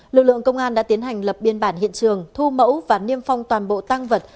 lực lượng công an đã tiến hành lập biên bản hiện trường thu mẫu và niêm phong toàn bộ tăng vật